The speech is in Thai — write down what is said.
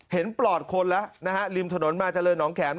ปลอดคนแล้วนะฮะริมถนนมาเจริญหนองแข็ม